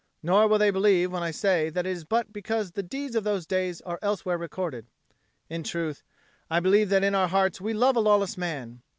Nor will they believe when I say that it is but because the deeds of those days are elsewhere recorded. In good truth, I believe that in our hearts we love a lawless man!